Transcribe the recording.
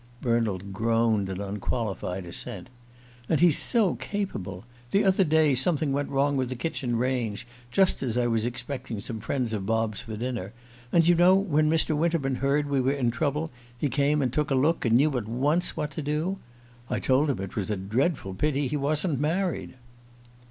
Bernald groaned an unqualified assent. "And he's so capable. The other day something went wrong with the kitchen range, just as I was expecting some friends of Bob's for dinner; and do you know, when Mr. Winterman heard we were in trouble, he came and took a look, and knew at once what to do? I told him it was a dreadful pity he wasn't married!"